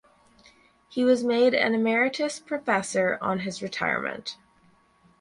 He was made an emeritus professor on his retirement.